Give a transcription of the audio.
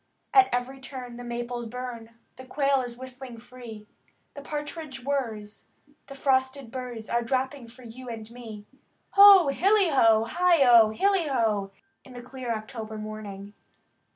At every turn the maples bum, The quail is whistling free. The partridge whirs, and the frosted burrs Are dropping for you and me. Ho! hilly ho! heigh O! Hilly ho! In the clear October morning.